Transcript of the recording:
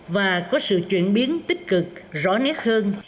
và có sự chuyển biến tích cực rõ nét hơn